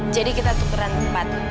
jadi kita tukeran tempat